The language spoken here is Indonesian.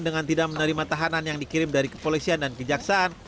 dengan tidak menerima tahanan yang dikirim dari kepolisian dan kejaksaan